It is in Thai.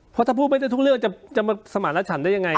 เพราะถ้าพูดไม่ได้ทุกเรื่องจะสมาร์รถฉันได้ยังไง